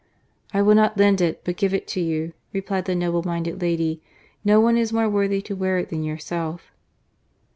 " I will not lend it, but give it to you," replied that noble minded lady. " No one is more worthy to wear it than yourself."